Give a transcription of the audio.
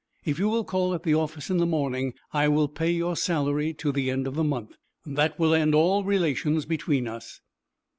If you will call at the office in the morning, I will pay your salary to the end of the month. That will end all relations between us."